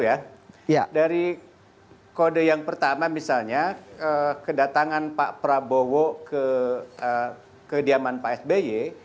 ya dari kode yang pertama misalnya kedatangan pak prabowo ke kediaman pak sby